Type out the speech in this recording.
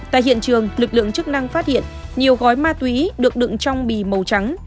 tại hiện trường lực lượng chức năng phát hiện nhiều gói ma túy được đựng trong bì màu trắng